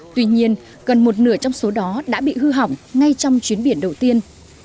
tuy nhiên gần một nửa trong số đó đã bị hư hỏng ngay trong chuyến biển đầu tiên